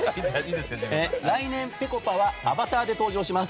来年、ぺこぱはアバターで登場します。